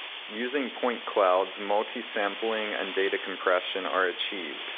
Using point clouds multi-sampling and data compression are achieved.